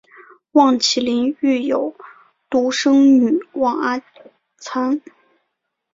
望麒麟育有独生女望阿参。